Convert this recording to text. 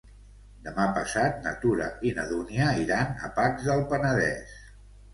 Demà passat na Tura i na Dúnia iran a Pacs del Penedès.